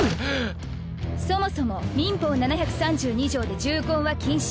そもそも民法７３２条で重婚は禁止。